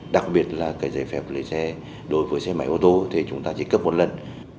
đặc biệt là cái giấy phép lấy xe đối với xe máy ô tô thì chúng ta chỉ cấp một lần